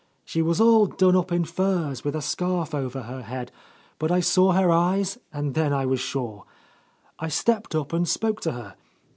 She was all done up in furs, with a scarf over her head, but I saw her eyes, and then I was sure. I stepped up and spoke to her.